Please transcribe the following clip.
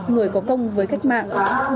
người có công với cách mạng